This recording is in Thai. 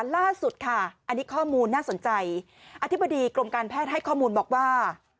ล่าสุดค่ะอันนี้ข้อมูลน่าสนใจอธิบดีกรมการแพทย์ให้ข้อมูลบอกว่า